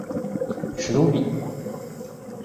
史努比。